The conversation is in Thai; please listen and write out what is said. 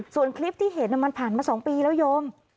ส่วนคลิปที่เห็นมันผ่านมา๒ปีแล้วโยม